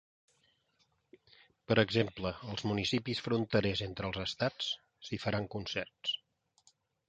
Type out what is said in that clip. Per exemple, als municipis fronterers entre els estats, s’hi faran concerts.